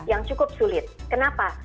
yang cukup sulit kenapa